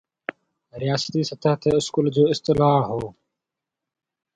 رياستي سطح تي اسڪول جو اصطلاح هو